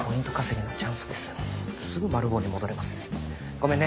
ごめんね。